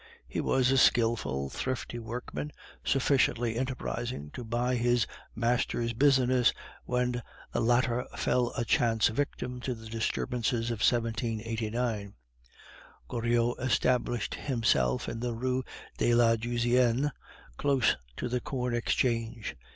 He was a skilful, thrifty workman, sufficiently enterprising to buy his master's business when the latter fell a chance victim to the disturbances of 1789. Goriot established himself in the Rue de la Jussienne, close to the Corn Exchange.